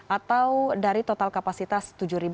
atau dari total kapasitas tujuh delapan ratus sembilan puluh empat